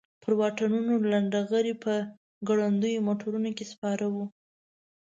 پر واټونو لنډه غري په ګړندیو موټرونو کې سپاره وو.